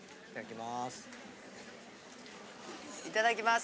いただきます。